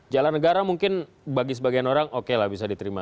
jalan negara mungkin bagi sebagian orang oke lah bisa diterima